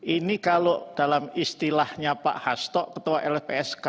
ini kalau dalam istilahnya pak hasto ketua lpsk